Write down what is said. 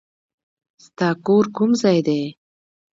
ستا کور کوم ځای دی؟